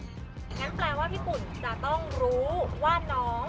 อย่างนั้นแปลว่าพี่ปุ่นจะต้องรู้ว่าน้อง